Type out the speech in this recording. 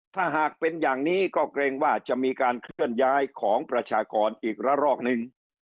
ถ้าหากเป็นอย่างนี้ก็เกรงว่าจะมีการเคลื่อนย้ายของประชากรอีกระรอกนึง